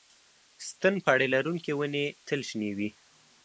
ستن پاڼې لرونکې ونې تل شنې وي